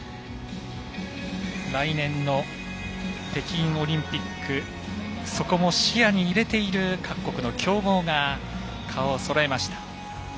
来年の北京オリンピックそこも視野に入れている各国の強豪が顔をそろえました。